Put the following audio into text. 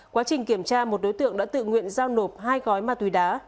quá trình kiểm tra một đối tượng đã tự nguyện giao nộp hai gói ma túy đá